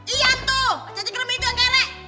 ian tuh si cacing krem itu yang kerek